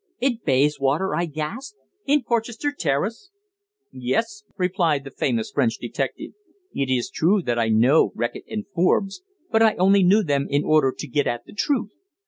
"In Bayswater!" I gasped. "In Porchester Terrace?" "Yes," replied the famous French detective. "It is true that I know Reckitt and Forbes. But I only knew them in order to get at the truth.